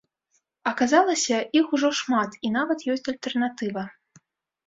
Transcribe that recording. Аказалася, іх ужо шмат, і нават ёсць альтэрнатыва.